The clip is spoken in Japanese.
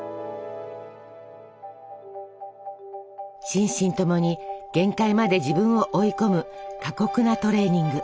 心身ともに限界まで自分を追い込む過酷なトレーニング。